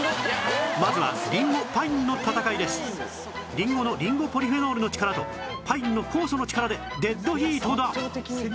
りんごのリンゴポリフェノールの力とパインの酵素の力でデッドヒートだ